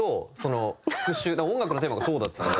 音楽のテーマがそうだったので。